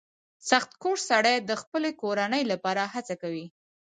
• سختکوش سړی د خپلې کورنۍ لپاره هڅه کوي.